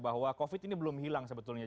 bahwa covid ini belum hilang sebetulnya